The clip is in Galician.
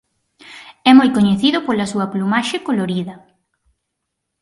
É moi coñecido pola súa plumaxe colorida.